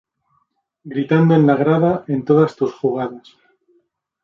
Gritando en la grada, en todas tus jugadas.